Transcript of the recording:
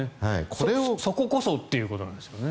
そここそということですよね。